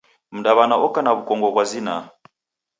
Mdaw'ana oka na w'ukongo ghwa zinaa.